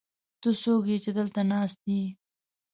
ته څوک يې، چې دلته ناست يې؟